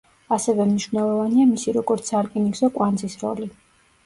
ასევე მნიშვნელოვანია მისი როგორც სარკინიგზო კვანძის როლი.